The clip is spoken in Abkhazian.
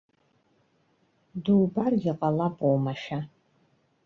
Дубаргьы ҟалап уамашәа.